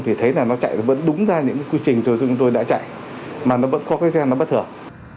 thì thấy là nó chạy vẫn đúng ra những cái quy trình tôi chúng tôi đã chạy mà nó vẫn có cái gen nó bất thường